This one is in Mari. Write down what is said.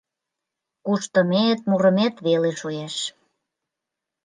Куштымет, мурымет веле шуэш.